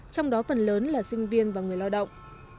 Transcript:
trong đó phần lớn là sinh viên và người lao động